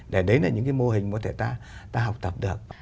để đấy là những cái mô hình mà có thể ta học tập được